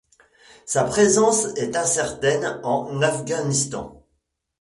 Sa présence est incertaine en Afghanistan.